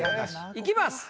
いきます。